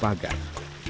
yang sudah dibatasi pagi